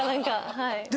はい。